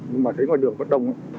nhưng mà thấy ngoài đường rất đông